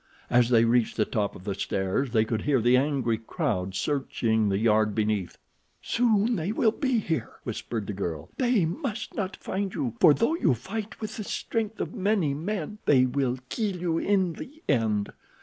As they reached the top of the stairs they could hear the angry crowd searching the yard beneath. "Soon they will search here," whispered the girl. "They must not find you, for, though you fight with the strength of many men, they will kill you in the end.